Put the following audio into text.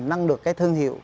nâng được cái thương hiệu